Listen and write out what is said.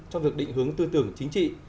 trong việc định hướng tư tưởng chính trị